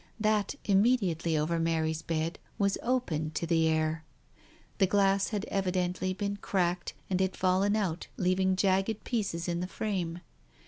That immediately over Mary's bed was open to the air. The glass had evidently been cracked and had fallen out leaving jagged pieces in the frame.